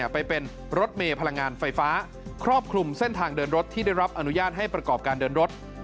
ไปเป็นรถเมย์พลังงานไฟฟ้าครอบคลุมเส้นทางเดินรถที่ได้รับอนุญาตให้ประกอบการเดินรถ